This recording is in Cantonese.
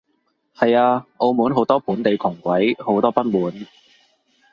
係啊，澳門好多本地窮鬼，好多不滿